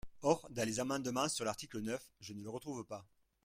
Or dans les amendements sur l’article neuf, je ne le retrouve pas.